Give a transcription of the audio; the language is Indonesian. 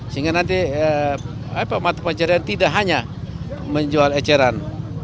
sehingga nanti pemanjaraan tidak hanya menjual eceran